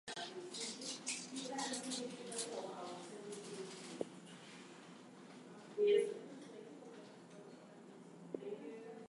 Realtors Paratus BuildCon Pvt.Ltd aggressively developing layouts near Narsapura.